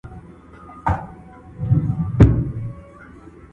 ښه دیقاسم یار چي دا ثواب او دا ګنا کوي،